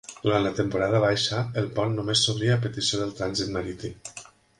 Durant la temporada baixa, el pont només s'obria a petició del trànsit marítim.